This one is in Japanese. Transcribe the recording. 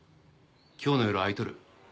今日の夜空いとる？